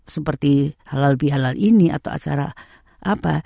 seperti halal bihalal ini atau acara apa